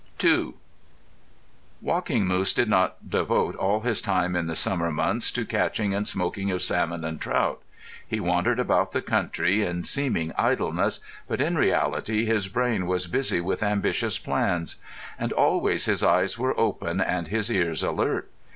II Walking Moose did not devote all his time in the summer months to the catching and smoking of salmon and trout. He wandered about the country, in seeming idleness, but in reality his brain was busy with ambitious plans. And always his eyes were open and his ears alert.